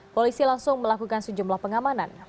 polisi langsung melakukan sejumlah pengamanan